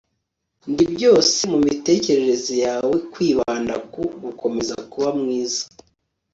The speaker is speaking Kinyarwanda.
ndi byose ku mitekerereze yawe, kwibanda ku, gukomeza kuba mwiza